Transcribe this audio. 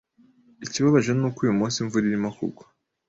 Ikibabaje ni uko uyu munsi imvura irimo kugwa.